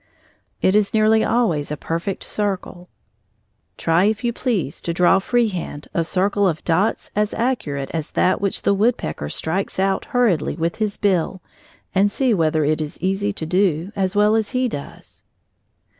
It is nearly always a perfect circle. Try, if you please, to draw freehand a circle of dots as accurate as that which the woodpecker strikes out hurriedly with his bill, and see whether it is easy to do as well as he does.